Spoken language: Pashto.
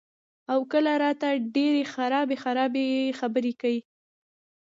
او کله راته ډېرې خرابې خرابې خبرې کئ " ـ